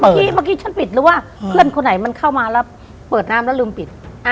เมื่อกี้ฉันปิดหรือว่าเพื่อนคนไหนมันเข้ามาแล้วเปิดน้ำแล้วลืมปิด